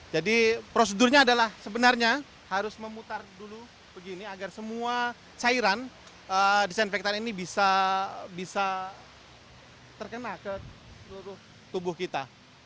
jadi prosedurnya adalah sebenarnya harus memutar dulu begini agar semua cairan disinfektan ini bisa terkena ke seluruh tubuh kita